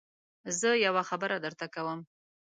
زه يوه خبره درته کوم.